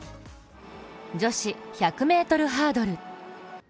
女子１００ｍハードル。